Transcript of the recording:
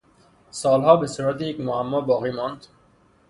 سالها به صورت یک معما باقی ماند.